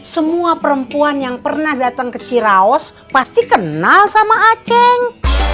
semua perempuan yang pernah datang ke ciraos pasti kenal sama aceh